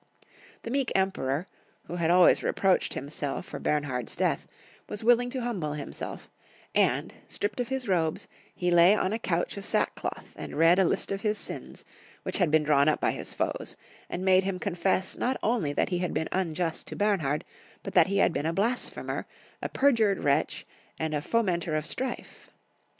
The meek Emperor, who had always reproached himself for Bemhard's death, was willing to hmnble liimself, and, stripped off his robes, he lay on a couch of sackcloth and read a list of his sins, which had been drawn up by his foes, and made him confess not only that he had been unjust to Bernhard, but that he had been a blasphemer, a perjured wretch, and fomenter of strife.